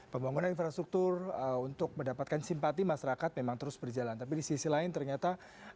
pembangunan infrastruktur untuk mendapatkan simpati masyarakat memang terus berjalan tapi di sisi lain ternyata